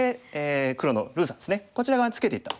こちら側にツケていった。